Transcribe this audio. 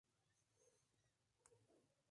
Son características las galerías, aleros y salientes.